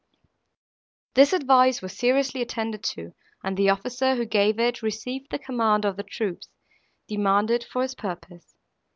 This advice was seriously attended to, and the officer, who gave it, received the command of the troops, demanded for his purpose.